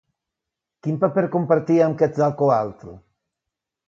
Quin paper compartia amb Quetzalcoatl?